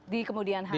di kemudian hari